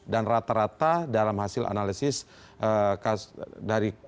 dan rata rata dalam hasil analisis dari kasusnya